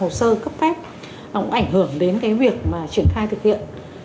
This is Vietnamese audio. cái tổn đọng hồ sơ cấp phép cũng ảnh hưởng đến cái việc mà triển khai thực hiện